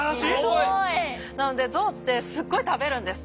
なのでゾウってすごい食べるんです。